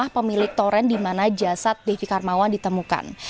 pemilik toren di mana jasad devi karmawan ditemukan